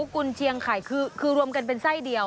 กุญเชียงไข่คือรวมกันเป็นไส้เดียว